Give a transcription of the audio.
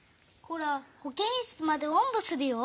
ほけんしつまでおんぶするよ？